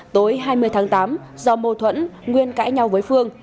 tối hai mươi tháng tám do mâu thuẫn nguyên cãi nhau với phương